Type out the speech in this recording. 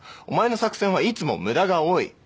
お前の作戦はいつも無駄が多い。